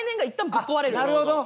ぶっ壊れる？